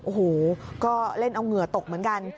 โอ้โหก็เล่นเอาเหงื่อตกเหมือนกัน